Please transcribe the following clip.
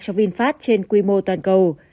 cho vinfast trên quy mô toàn cầu